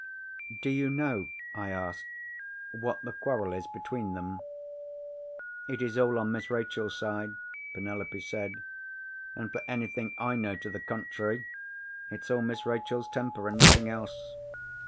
'Do you know,' I asked, 'what the quarrel is between them?' "'It is all on Miss Rachel's side,' Penelope said. 'And, for anything I know to the contrary, it's all Miss Rachel's temper, and nothing else.